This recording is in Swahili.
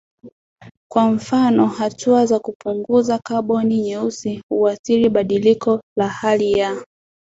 Kwa mfano hatua za kupunguza kaboni nyeusi huathiri badiliko la hali ya